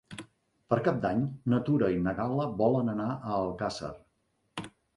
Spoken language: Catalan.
Per Cap d'Any na Tura i na Gal·la volen anar a Alcàsser.